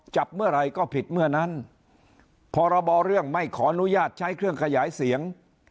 จับเมื่อไหร่ก็ผิดเมื่อนั้นพรบเรื่องไม่ขออนุญาตใช้เครื่องขยายเสียง